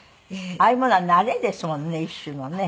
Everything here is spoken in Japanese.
ああいうものは慣れですものね一種のね。